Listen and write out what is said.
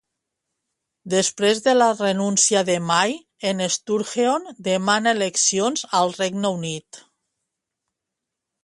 Després de la renúncia de May, en Sturgeon demana eleccions al Regne Unit.